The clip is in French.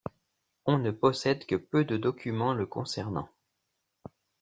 On ne possède que peu de documents le concernant.